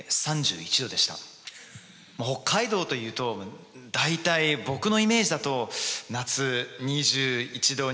北海道というと大体僕のイメージだと夏２１℃２２℃。